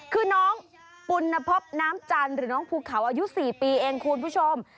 คือน้องปุณภพน้ำจันทร์หรือน้องภูเขาอายุ๔ปีเองคุณผู้ชม